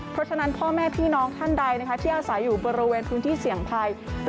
เพราะฉะนั้นพ่อแม่พี่น้องท่านใดที่อาศัยอยู่บริเวณพื้นที่เสี่ยงภัย